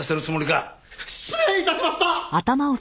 失礼致しました！